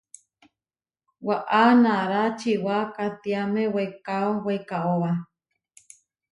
Waʼa nará čiwá katiáme weikáo weikáoba.